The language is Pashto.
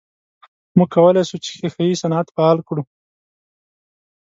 موږ کولای سو چې ښیښه یي صنعت فعال کړو.